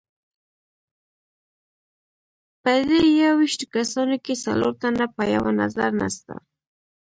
په دې یوویشتو کسانو کې څلور تنه په یوه نظر نسته.